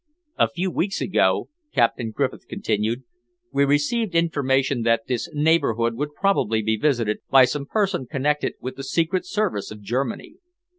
"A few weeks ago," Captain Griffith continued, "we received information that this neighbourhood would probably be visited by some person connected with the Secret Service of Germany.